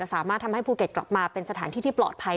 สามารถทำให้ภูเก็ตกลับมาเป็นสถานที่ที่ปลอดภัย